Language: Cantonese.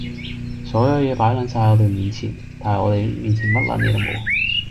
所有野擺撚晒喺我哋面前，但係我哋面前乜撚嘢都冇！